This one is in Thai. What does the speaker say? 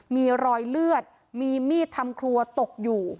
มีรอยเลือดมีมีดทำครัวตกอยู่